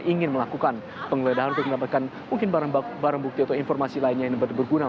ingin melakukan penggeledahan untuk mendapatkan mungkin barang bukti atau informasi lainnya yang berguna